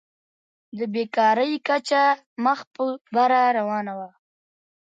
د بېکارۍ کچه مخ په بره روانه وه.